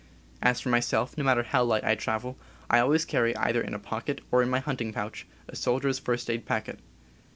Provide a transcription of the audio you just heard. As for myself, no matter how light I travel, I always carry either in a pocket or in my hunting pouch a sol dier's first aid packet.